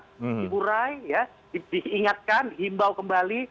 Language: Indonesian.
diburai diingatkan himbau kembali